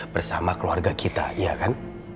bersama keluarga kita iya kan